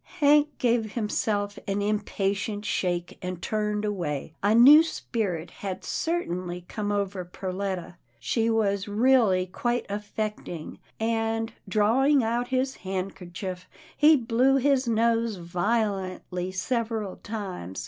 Hank gave himself an impatient shake, and turned away. A new spirit had certainly come 308 'TILDA JANE'S ORPHANS over Perletta. She was really quite affecting, and, drawing out his handkerchief, he blew his nose violently several times.